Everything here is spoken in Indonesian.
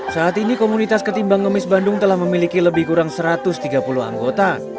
saat ini komunitas ketimbang ngemis bandung telah memiliki lebih kurang satu ratus tiga puluh anggota